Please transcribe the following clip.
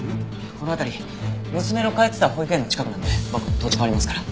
この辺り娘の通ってた保育園の近くなんで僕土地勘ありますから。